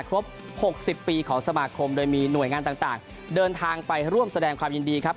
ครบ๖๐ปีของสมาคมโดยมีหน่วยงานต่างเดินทางไปร่วมแสดงความยินดีครับ